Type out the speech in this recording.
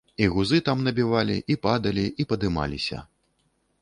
І гузы там набівалі, і падалі, і падымаліся.